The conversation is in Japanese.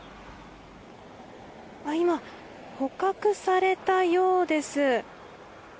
今、捕獲されたようです。